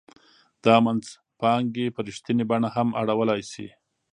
دا منځپانګې په رښتینې بڼه هم اړولای شي